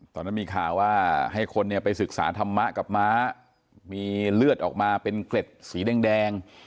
ตอนนั้นมีข่าวว่าให้คนเนี่ยไปศึกษาธรรมะกับม้ามีเลือดออกมาเป็นเกล็ดสีแดง